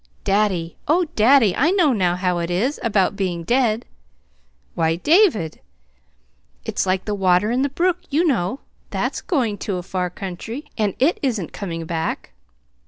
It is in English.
"Daddy, oh, daddy, I know now how it is, about being dead." "Why David!" "It's like the water in the brook, you know; THAT'S going to a far country, and it isn't coming back.